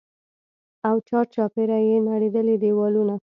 او چارچاپېره يې نړېدلي دېوالونه.